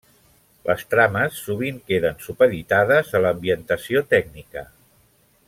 Les trames sovint queden supeditades a l'ambientació tècnica.